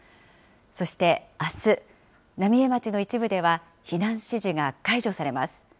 そしてあす、浪江町の一部では避難指示が解除されます。